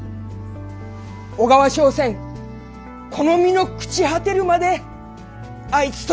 小川笙船この身の朽ち果てるまで相つとめまする！